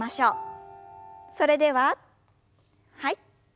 それでははい。